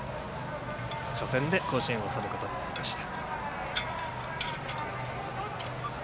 初戦で甲子園を去ることになりました。